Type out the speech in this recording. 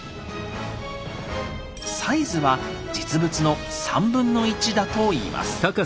サイズは実物の1/3だといいます。